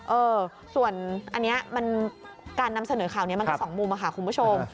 เออส่วนอันนี้มันการนำเสนอข่าวนี้มันก็สองมุมค่ะคุณผู้ชม